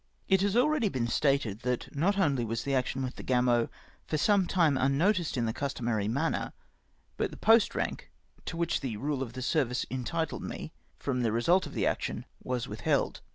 It has been already stated that not only was the action with the Gamo for some time unnoticed in the cus tomary manner, but the post rank to which the rule of the service entitled me from the result of the action, was withheld.